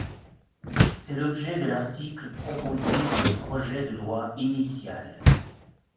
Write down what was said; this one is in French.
C’est l’objet de l’article proposé dans le projet de loi initial.